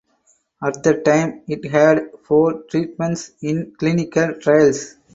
At that time it had four treatments in clinical trials.